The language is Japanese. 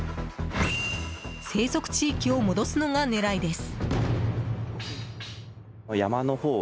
生息地域を戻すのが狙いです。